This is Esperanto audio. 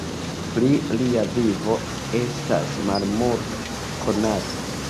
Pri lia vivo estas malmulte konata.